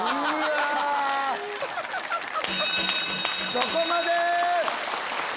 そこまで！